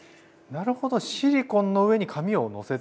なるほどシリコンの上に紙をのせて。